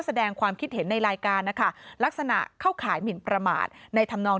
แสดงความคิดเห็นในรายการนะคะลักษณะเข้าข่ายหมินประมาทในธรรมนอง